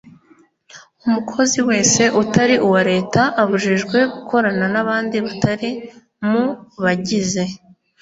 Umukozi wese utari uwa Leta Abujijwe gukorana n’abandi batari mu bagize